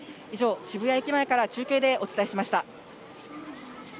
以上、渋谷駅前から中継でお伝えしました。